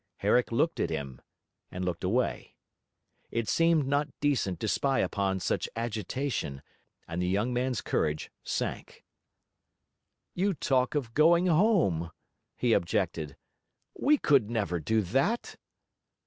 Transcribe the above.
Herrick looked at him, and looked away; It seemed not decent to spy upon such agitation; and the young man's courage sank. 'You talk of going home,' he objected. 'We could never do that.'